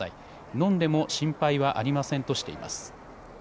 飲んでも心配はありませんとしています。